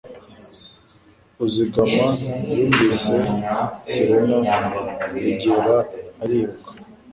Ruzigama yumvise sirena yegera ariruka